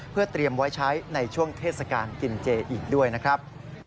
เพื่อเตรียมไว้ใช้ในช่วงเทศกาลกินเจอีกด้วยนะครับ